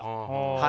はい。